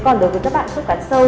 còn đối với các bạn khớp cắn sâu